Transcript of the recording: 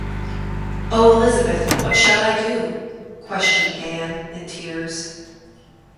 “Oh, Elizabeth, what shall I do?” questioned Anne in tears.